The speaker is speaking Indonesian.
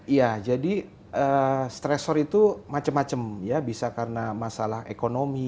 iya jadi stressor itu macam macam ya bisa karena masalah ekonomi